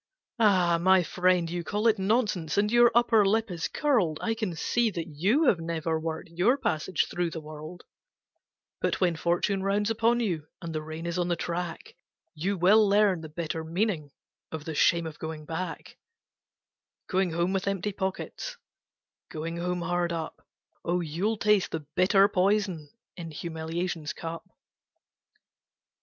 Ah! my friend, you call it nonsense, and your upper lip is curled, I can see that you have never worked your passage through the world; But when fortune rounds upon you and the rain is on the track, You will learn the bitter meaning of the shame of going back; Going home with empty pockets, Going home hard up; Oh, you'll taste the bitter poison in humiliation's cup.